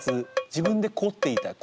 自分で「コ」って言いたい。